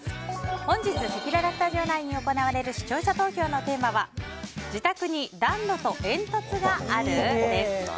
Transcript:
本日せきららスタジオ内で行われる視聴者投票のテーマは自宅に暖炉と煙突がある？です。